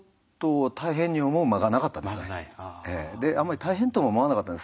あんまり大変とも思わなかったんです。